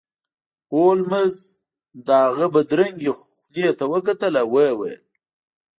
هولمز د هغه بدرنګې خولې ته وکتل او ویې ویل